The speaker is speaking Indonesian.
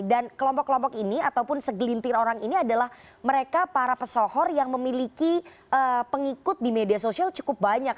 dan kelompok kelompok ini ataupun segelintir orang ini adalah mereka para pesohor yang memiliki pengikut di media sosial cukup banyak